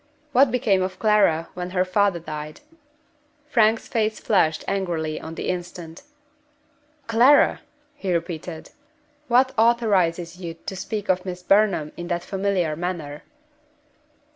"What became of Clara when her father died?" Frank's face flushed angrily on the instant. "Clara!" he repeated. "What authorizes you to speak of Miss Burnham in that familiar manner?"